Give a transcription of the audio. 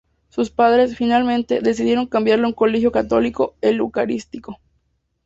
Sus padres, finalmente, decidieron cambiarla a un colegio católico: el Eucarístico.